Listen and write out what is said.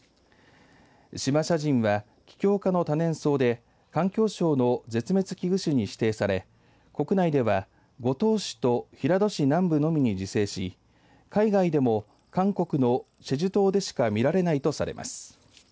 シマシャジンはキキョウ科の多年草で環境省の絶滅危惧種に指定され国内では五島市と平戸市南部のみに自生し海外でも韓国のチェジュ島でしか見られないとされます。